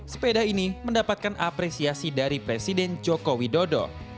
sepeda ini mendapatkan apresiasi dari presiden joko widodo